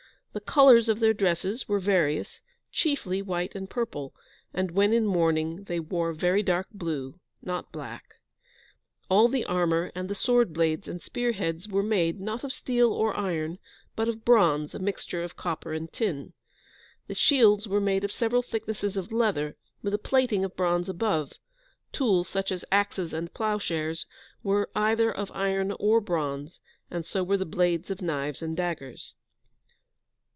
The colours of their dresses were various, chiefly white and purple; and, when in mourning, they wore very dark blue, not black. All the armour, and the sword blades and spearheads were made, not of steel or iron, but of bronze, a mixture of copper and tin. The shields were made of several thicknesses of leather, with a plating of bronze above; tools, such as axes and ploughshares, were either of iron or bronze; and so were the blades of knives and daggers.